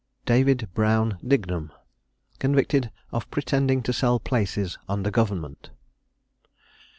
DAVID BROWN DIGNUM. CONVICTED OF PRETENDING TO SELL PLACES UNDER GOVERNMENT.